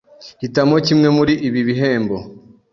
Hitamo kimwe muri ibi bihembo.